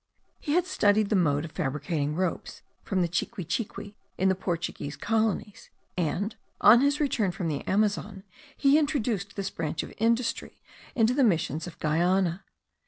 He had studied the mode of fabricating ropes from the chiquichiqui in the Portuguese colonies; and, on his return from the Amazon, he introduced this branch of industry into the missions of Guiana.